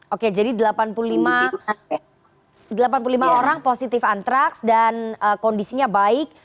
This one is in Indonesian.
oke jadi delapan puluh lima orang positif antraks dan kondisinya baik